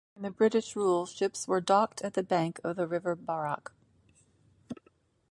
During the British rule, ships were docked at the bank of the river Barak.